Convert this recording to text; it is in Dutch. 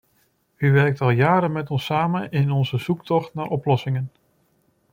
U werkt al jaren met ons samen in onze zoektocht naar oplossingen.